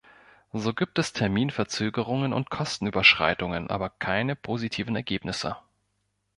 So gibt es Terminverzögerungen und Kostenüberschreitungen aber keine positiven Ergebnisse.